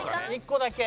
１個だけ。